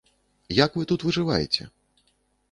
Як вы тут выжываеце?